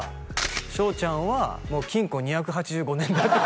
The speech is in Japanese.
「翔ちゃんはもう禁錮２８５年」